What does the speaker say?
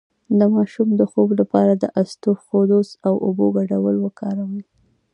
د ماشوم د خوب لپاره د اسطوخودوس او اوبو ګډول وکاروئ